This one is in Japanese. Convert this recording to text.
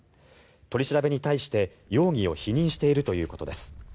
取り調べに対して、容疑を否認しているということです。